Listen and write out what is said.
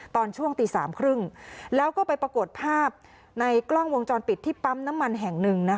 ตอนช่วงตี๓๓๐แล้วก็ไปปรากฏภาพในกล้องวงจรปิดที่ปั๊มน้ำมันแห่งหนึ่ง